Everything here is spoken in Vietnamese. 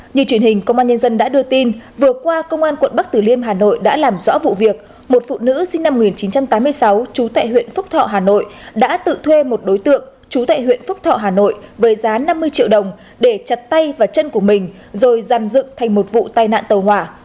như truyền hình công an nhân dân đã đưa tin vừa qua công an quận bắc tử liêm hà nội đã làm rõ vụ việc một phụ nữ sinh năm một nghìn chín trăm tám mươi sáu trú tại huyện phúc thọ hà nội đã tự thuê một đối tượng trú tại huyện phúc thọ hà nội với giá năm mươi triệu đồng để chặt tay vào chân của mình rồi giàn dựng thành một vụ tai nạn tàu hỏa